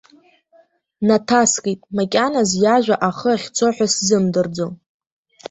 Наҭаскит, макьаназ иажәа ахы ахьцо ҳәа сзымдырӡо.